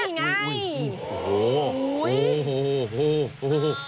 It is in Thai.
นี่ไงโอ้โฮโอ้โฮโอ้โฮ